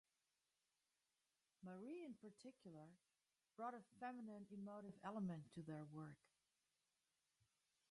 Marie in particular, brought a feminine emotive element to their work.